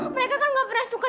mereka kan gak pernah suka